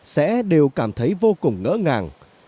sẽ đều cảm thấy vô cùng ngỡ ngàng